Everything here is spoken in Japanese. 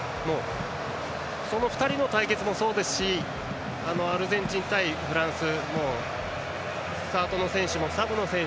その２人の対決もそうだしアルゼンチン対フランスはスタートの選手もサブの選手